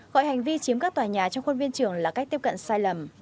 gọi hành vi chiếm các tòa nhà trong khuôn viên trường là cách tiếp cận sai lầm